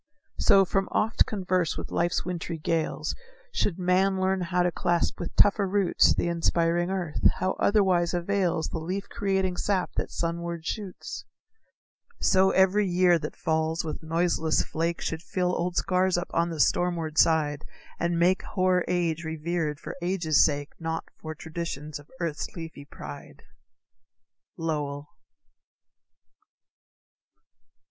So, from oft converse with life's wintry gales, Should man learn how to clasp with tougher roots The inspiring earth how otherwise avails The leaf creating sap that sunward shoots? So every year that falls with noiseless flake, Should fill old scars up on the stormward side, And make hoar age revered for age's sake, Not for traditions of earth's leafy pride. _Lowell.